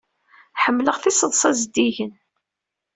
Ḥemmleɣ tiseḍsa zeddigen.